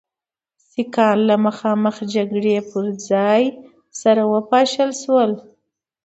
سیکهان له مخامخ جګړې پر ځای سره وپاشل شول.